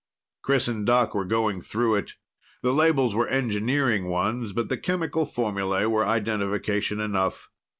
Chris and Doc were going through it. The labels were engineering ones, but the chemical formulae were identification enough.